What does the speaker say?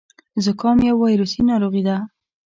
زکام يو وايرسي ناروغي ده.